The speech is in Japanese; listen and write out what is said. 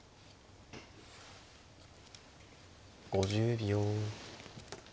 ５０秒。